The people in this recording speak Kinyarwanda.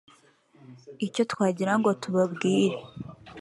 Icyo twagira ngo tubabwire